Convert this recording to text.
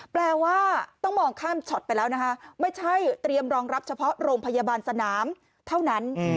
แปลว่าต้องมองข้ามช็อตไปแล้วนะคะไม่ใช่เตรียมรองรับเฉพาะโรงพยาบาลสนามเท่านั้น